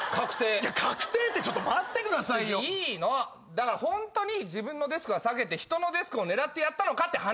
だからホントに自分のデスクは避けて人のデスクを狙ってやったのかって話。